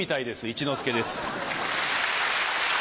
一之輔です。